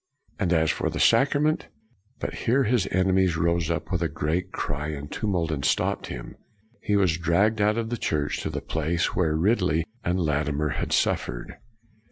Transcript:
And as for the Sacrament But here his enemies rose up with a great cry and tumult, and stopped him. He was dragged out of the Church to the place where Rid ley and Latimer had suffered.